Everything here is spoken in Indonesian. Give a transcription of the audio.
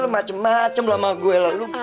macam macam lah sama gue